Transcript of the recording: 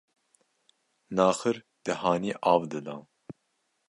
naxir dihanî av didan